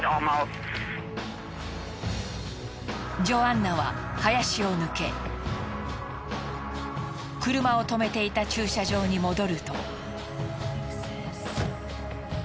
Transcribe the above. ジョアンナは林を抜け車を止めていた駐車場に戻ると。